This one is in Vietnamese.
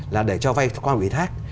là để cho vay qua quỹ thác